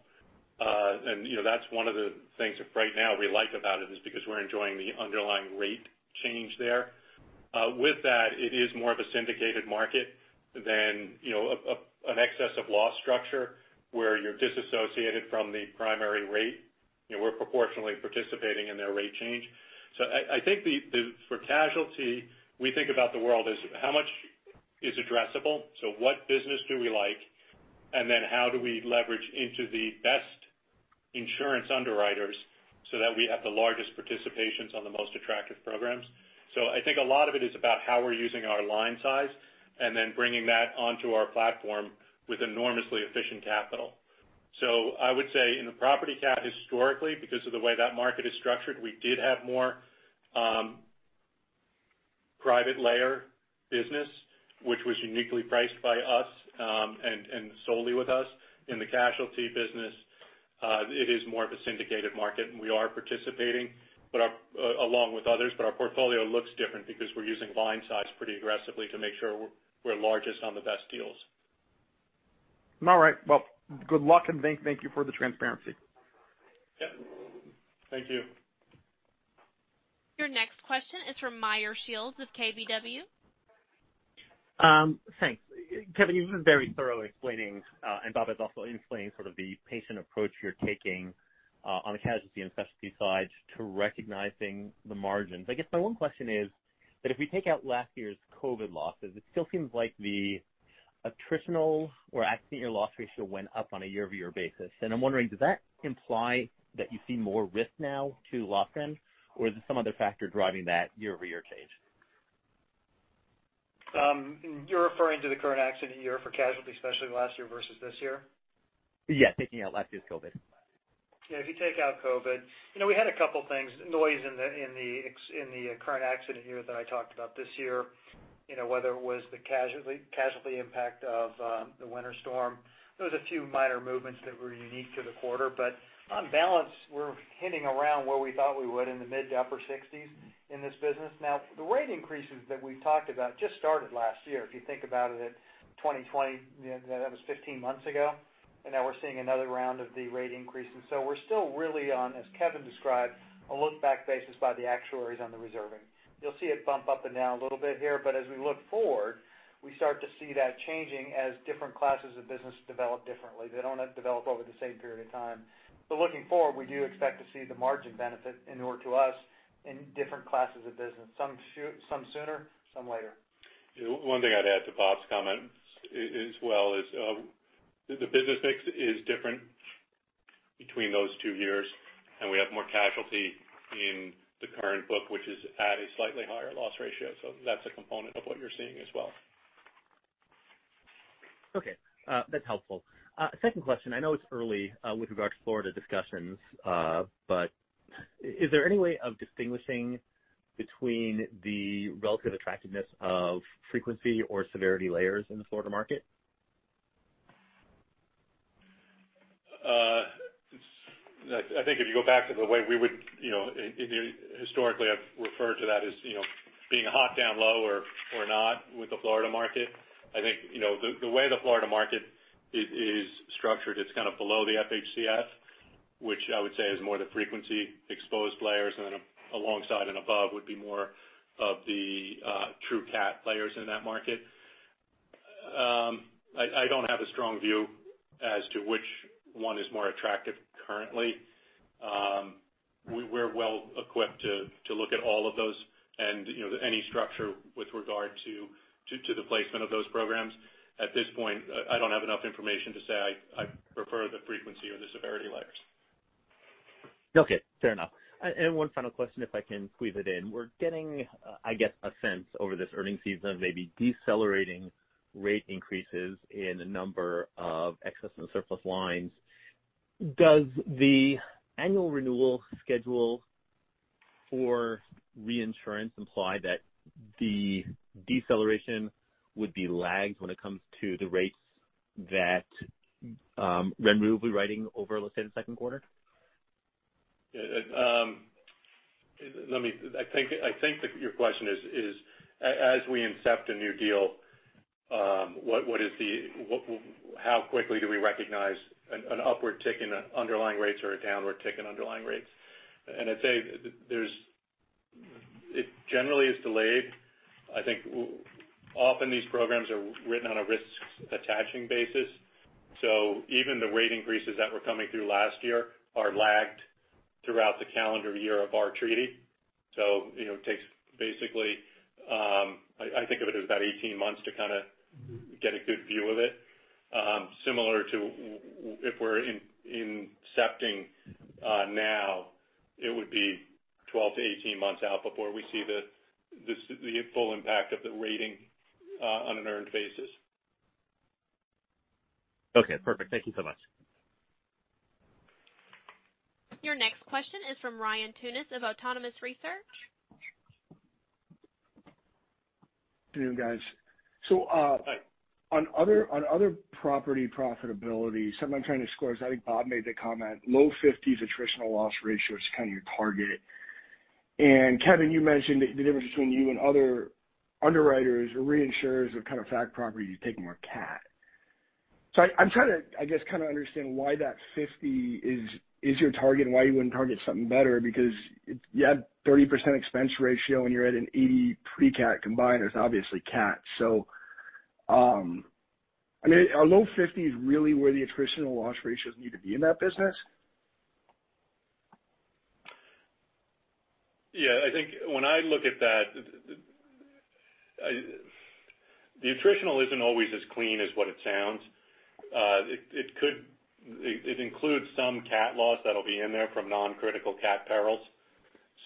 That's one of the things that right now we like about it is because we're enjoying the underlying rate change there. With that, it is more of a syndicated market than an excess of loss structure where you're disassociated from the primary rate. We're proportionally participating in their rate change. I think for casualty, we think about the world as how much is addressable. What business do we like? How do we leverage into the best insurance underwriters so that we have the largest participations on the most attractive programs. I think a lot of it is about how we're using our line size and then bringing that onto our platform with enormously efficient capital. I would say in the property CAT historically, because of the way that market is structured, we did have more private layer business, which was uniquely priced by us, and solely with us. In the casualty business, it is more of a syndicated market, and we are participating along with others, but our portfolio looks different because we're using line size pretty aggressively to make sure we're largest on the best deals. All right. Well, good luck, and thank you for the transparency. Yeah. Thank you. Your next question is from Meyer Shields of KBW. Thanks. Kevin, you've been very thorough explaining, and Bob is also explaining sort of the patient approach you're taking on the casualty and specialty side to recognizing the margins. I guess my one question is that if we take out last year's COVID losses, it still seems like the attritional or accident year loss ratio went up on a year-over-year basis. I'm wondering, does that imply that you see more risk now to loss end, or is there some other factor driving that year-over-year change? You're referring to the current accident year for casualty, especially last year versus this year? Yeah, taking out last year's COVID. If you take out COVID. We had a couple things, noise in the current accident year that I talked about this year, whether it was the casualty impact of Winter Storm Uri. There was a few minor movements that were unique to the quarter, but on balance, we're hitting around where we thought we would in the mid to upper 60s in this business. The rate increases that we've talked about just started last year. If you think about it at 2020, that was 15 months ago, and now we're seeing another round of the rate increases. We're still really on, as Kevin described, a look-back basis by the actuaries on the reserving. You'll see it bump up and down a little bit here, but as we look forward, we start to see that changing as different classes of business develop differently. They don't develop over the same period of time. Looking forward, we do expect to see the margin benefit in order to us in different classes of business, some sooner, some later. One thing I'd add to Bob's comment as well is the business mix is different between those two years, and we have more casualty in the current book, which is at a slightly higher loss ratio. That's a component of what you're seeing as well. Okay. That's helpful. Second question. I know it's early with regards to Florida discussions, but is there any way of distinguishing between the relative attractiveness of frequency or severity layers in the Florida market? I think if you go back to the way we would, historically, I've referred to that as being hot down low or not with the Florida market. I think the way the Florida market is structured, it's kind of below the FHCF, which I would say is more the frequency exposed layers, and then alongside and above would be more of the true CAT layers in that market. I don't have a strong view as to which one is more attractive currently. We're well equipped to look at all of those and any structure with regard to the placement of those programs. At this point, I don't have enough information to say I prefer the frequency or the severity layers. Okay, fair enough. One final question, if I can weave it in. We're getting, I guess, a sense over this earnings season of maybe decelerating rate increases in the number of excess and surplus lines. Does the annual renewal schedule for reinsurance imply that the deceleration would be lagged when it comes to the rates that RenaissanceRe will be writing over, let's say, the Q2? I think that your question is, as we incept a new deal, how quickly do we recognize an upward tick in underlying rates or a downward tick in underlying rates? I'd say it generally is delayed. I think often these programs are written on a risk attaching basis. Even the rate increases that were coming through last year are lagged throughout the calendar year of our treaty. It takes basically, I think of it as about 18 months to kind of get a good view of it. Similar to if we're incepting now, it would be 12 - 18 months out before we see the full impact of the rating on an earned basis. Okay, perfect. Thank you so much. Your next question is from Ryan Tunis of Autonomous Research. Good evening, guys. Hi. On other property profitability, something I'm trying to square because I think Bob made the comment, low 50s attritional loss ratio is kind of your target. Kevin, you mentioned the difference between you and other underwriters or reinsurers of kind of fac property is you take more cat. I'm trying to, I guess, kind of understand why that 50 is your target and why you wouldn't target something better, because you have 30% expense ratio, and you're at an 80 precat combined, there's obviously cat. I mean, are low 50s really where the attritional loss ratios need to be in that business? Yeah, I think when I look at that, the attritional isn't always as clean as what it sounds. It includes some cat loss that'll be in there from non-critical cat perils.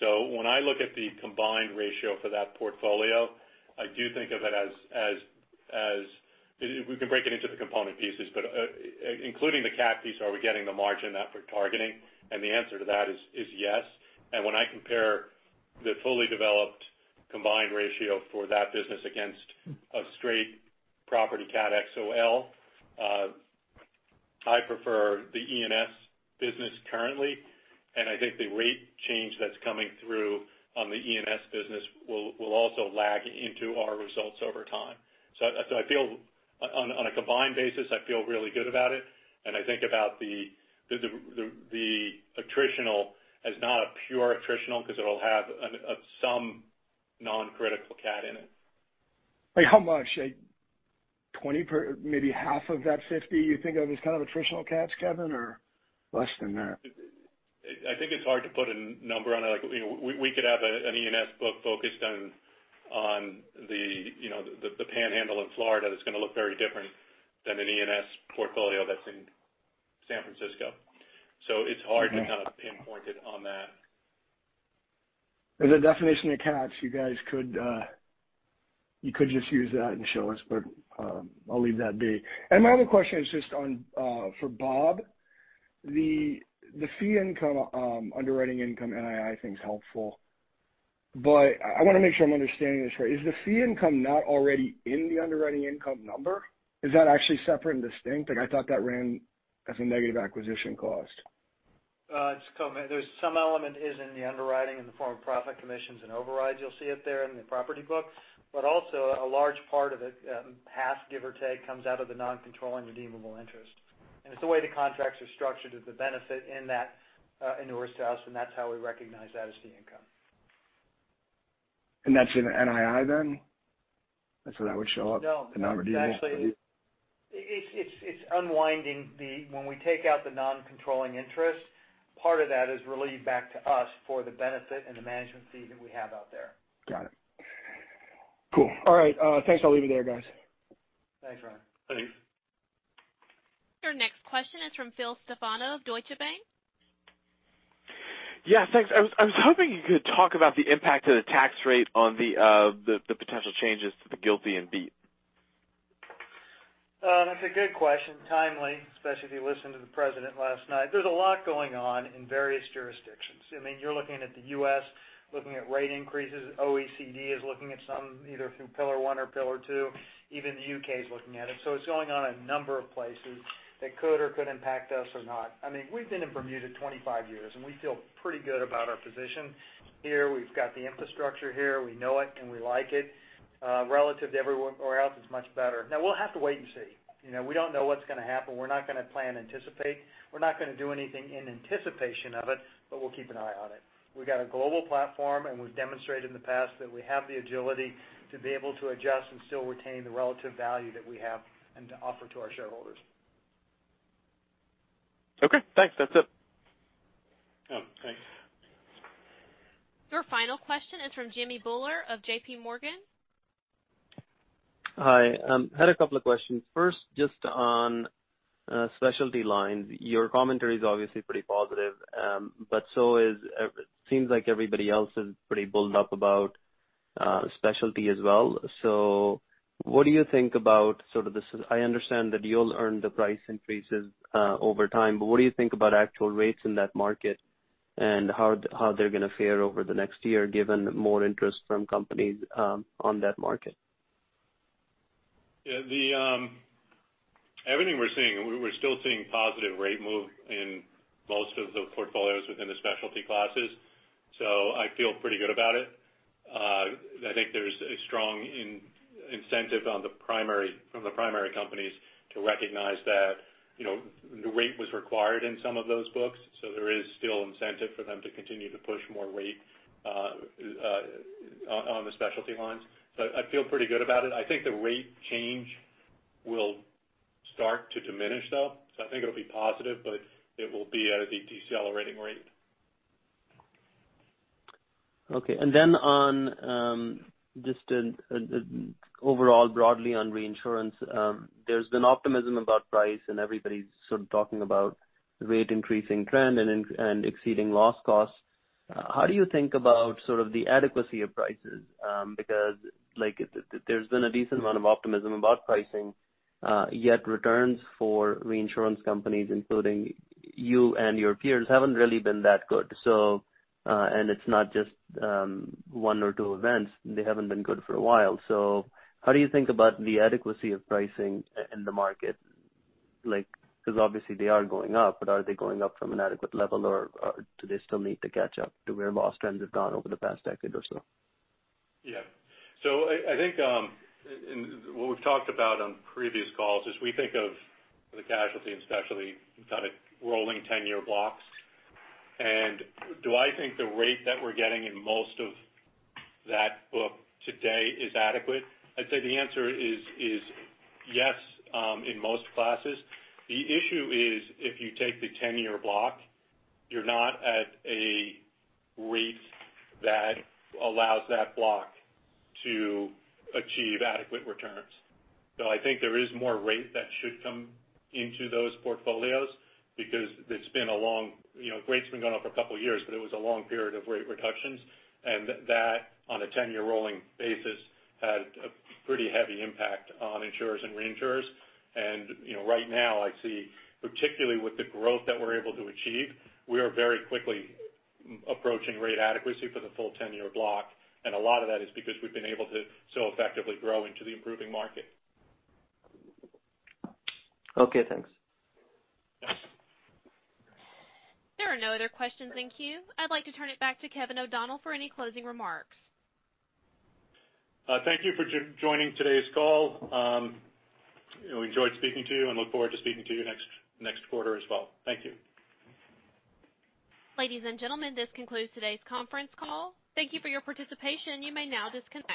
When I look at the combined ratio for that portfolio, I do think of it as, we can break it into the component pieces, but including the cat piece, are we getting the margin that we're targeting? The answer to that is yes. When I compare the fully developed combined ratio for that business against a straight property cat XOL, I prefer the E&S business currently, and I think the rate change that's coming through on the E&S business will also lag into our results over time. On a combined basis, I feel really good about it, and I think about the attritional as not a pure attritional because it'll have some non-critical cat in it. How much? Maybe half of that $50 you think of as kind of attritional cats, Kevin, or less than that? I think it's hard to put a number on it. We could have an E&S book focused on the panhandle of Florida that's going to look very different than an E&S portfolio that's in San Francisco. It's hard to kind of pinpoint it on that. There's a definition of cats. You guys could just use that and show us, but I'll leave that be. My other question is just for Bob. The fee income, underwriting income, NII, I think is helpful, but I want to make sure I'm understanding this right. Is the fee income not already in the underwriting income number? Is that actually separate and distinct? I thought that ran as a negative acquisition cost. Just to comment, some element is in the underwriting in the form of profit commissions and overrides. You'll see it there in the property book, but also a large part of it, half give or take, comes out of the non-controlling redeemable interest. It's the way the contracts are structured is the benefit inures to us, and that's how we recognize that as fee income. That's in NII then? That's where that would show up. No the non-redeemable. It's actually unwinding the, when we take out the non-controlling interest, part of that is relieved back to us for the benefit and the management fee that we have out there. Got it. Cool. All right, thanks. I'll leave it there, guys. Thanks, Ryan. Thanks. Your next question is from Philip Stefano of Deutsche Bank. Yeah, thanks. I was hoping you could talk about the impact of the tax rate on the potential changes to the GILTI and BEAT. That's a good question. Timely, especially if you listened to the president last night. There's a lot going on in various jurisdictions. I mean, you're looking at the U.S., looking at rate increases. OECD is looking at some, either through Pillar One or Pillar Two, even the U.K. is looking at it. It's going on a number of places that could or could impact us or not. I mean, we've been in Bermuda 25 years, and we feel pretty good about our position here. We've got the infrastructure here. We know it, and we like it. Relative to everywhere else, it's much better. Now, we'll have to wait and see. We don't know what's going to happen. We're not going to plan, anticipate. We're not going to do anything in anticipation of it, but we'll keep an eye on it. We've got a global platform, and we've demonstrated in the past that we have the agility to be able to adjust and still retain the relative value that we have and to offer to our shareholders. Okay, thanks. That's it. Oh, thanks. Your final question is from Jimmy Bhullar of JPMorgan. Hi. I had a couple of questions. First, just on specialty lines. Your commentary is obviously pretty positive, it seems like everybody else is pretty bulled up about specialty as well. What do you think about this? I understand that you'll earn the price increases over time, what do you think about actual rates in that market, and how they're going to fare over the next year, given more interest from companies on that market? Yeah. Everything we're seeing, we're still seeing positive rate move in most of the portfolios within the specialty classes. I feel pretty good about it. I think there's a strong incentive from the primary companies to recognize that the rate was required in some of those books. There is still incentive for them to continue to push more rate on the specialty lines. I feel pretty good about it. I think the rate change will start to diminish, though. I think it'll be positive, but it will be at a decelerating rate. Okay. Just overall, broadly on reinsurance, there's been optimism about price, and everybody's sort of talking about rate increasing trend and exceeding loss costs. How do you think about the adequacy of prices? There's been a decent amount of optimism about pricing, yet returns for reinsurance companies, including you and your peers, haven't really been that good. It's not just one or two events. They haven't been good for a while. How do you think about the adequacy of pricing in the market? Obviously they are going up, but are they going up from an adequate level, or do they still need to catch up to where loss trends have gone over the past decade or so? I think what we've talked about on previous calls is we think of the casualty and specialty kind of rolling 10-year blocks. Do I think the rate that we're getting in most of that book today is adequate? I'd say the answer is yes, in most classes. The issue is if you take the 10-year block, you're not at a rate that allows that block to achieve adequate returns. I think there is more rate that should come into those portfolios because rate's been going up for a couple of years, but it was a long period of rate reductions, and that, on a 10-year rolling basis, had a pretty heavy impact on insurers and reinsurers. Right now I see, particularly with the growth that we're able to achieve, we are very quickly approaching rate adequacy for the full 10-year block, and a lot of that is because we've been able to so effectively grow into the improving market. Okay, thanks. Yeah. There are no other questions in queue. I'd like to turn it back to Kevin O'Donnell for any closing remarks. Thank you for joining today's call. We enjoyed speaking to you and look forward to speaking to you next quarter as well. Thank you. Ladies and gentlemen, this concludes today's conference call. Thank you for your participation. You may now disconnect.